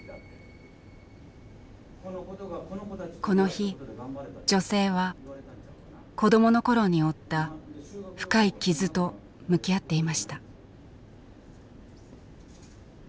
この日女性は子どもの頃に負った深い「傷」と向き合っていました。